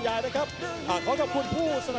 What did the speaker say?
กันต่อแพทย์จินดอร์